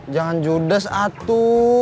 jangan judes atu